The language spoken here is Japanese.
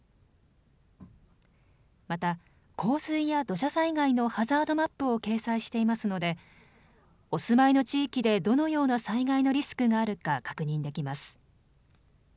また、洪水や土砂災害のハザードマップを掲載していますのでお住まいの地域でどのような災害のリスクがあるか確認できます。